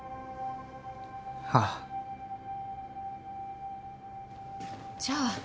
ああじゃあ